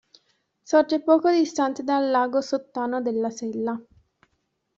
Sorge poco distante dal Lago Sottano della Sella.